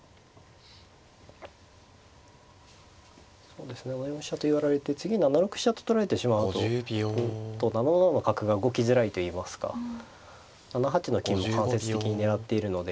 そうですね７四飛車と寄られて次７六飛車と取られてしまうと７七の角が動きづらいといいますか７八の金も間接的に狙っているので。